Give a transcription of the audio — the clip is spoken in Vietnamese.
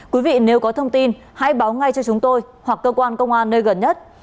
quý vị nếu có thông tin hãy báo ngay cho chúng tôi hoặc cơ quan công an nơi gần nhất